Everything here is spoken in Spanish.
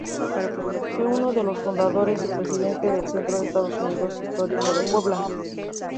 Fue uno de los fundadores y presidente del "Centro de Estudios Históricos de Puebla".